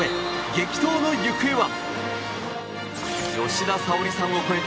激闘の行方は。